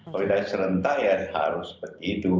kalau tidak serentak ya harus seperti itu